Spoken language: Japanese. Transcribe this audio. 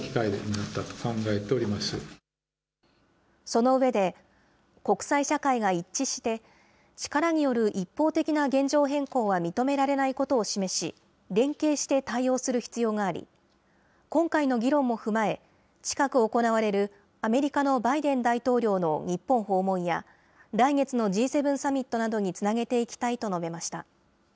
その上で、国際社会が一致して、力による一方的な現状変更は認められないことを示し、連携して対応する必要があり、今回の議論も踏まえ、近く行われる、アメリカのバイデン大統領の日本訪問や、来月のＧ７サミットなどにつなげていきたいと述べました。